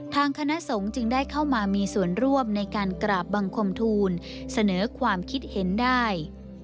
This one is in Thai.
ทางคณะสงฆ์จึงได้เข้ามามีส่วนร่วมในการกราบบังคมทูลเสนอความคิดเห็นได้